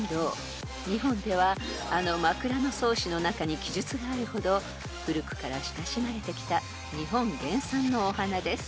［日本ではあの『枕草子』の中に記述があるほど古くから親しまれてきた日本原産のお花です］